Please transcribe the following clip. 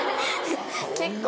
結構。